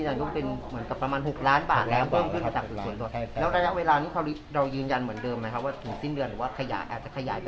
อาจจะขยายไปอีก